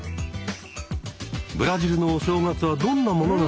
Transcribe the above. ブラジルのお正月はどんなものなのか。